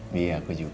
bi aku juga